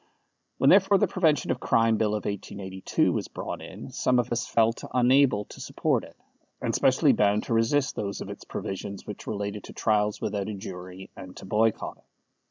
When therefore the Prevention of Crime Bill of 1882 was brought in, some of us felt unable to support it, and specially bound to resist those of its provisions which related to trials without a jury, and to boycotting.